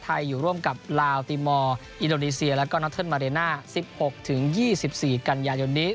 ไทยอยู่ร่วมกับลาวติมอลอิโรนีเซียแล้วก็นัลเทิร์นมาเรน่า๑๖๒๔กันอย่างเดียวนี้